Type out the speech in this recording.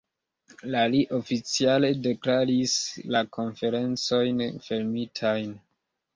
La li oficiale deklaris la Konferencojn fermitaj.